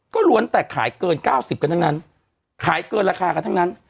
ก็ล้วนแต่ขายเกิน๙๐กันทั้งนั้นขายเกินราคากันทั้งนั้น